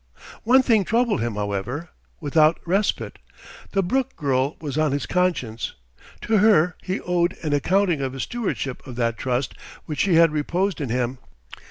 One thing troubled him, however, without respite: the Brooke girl was on his conscience. To her he owed an accounting of his stewardship of that trust which she had reposed in him.